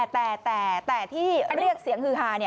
แต่แต่ที่เรียกเสียงฮือหาเนี้ย